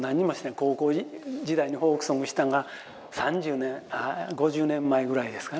高校時代にフォークソングしたんが３０年５０年前ぐらいですかね。